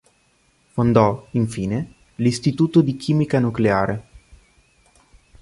Fondò, infine, l'Istituto di Chimica Nucleare.